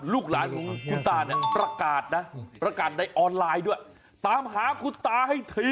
ลูกหลานของคุณตาเนี่ยประกาศนะประกาศในออนไลน์ด้วยตามหาคุณตาให้ที